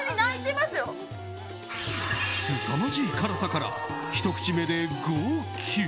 すさまじい辛さからひと口目で号泣。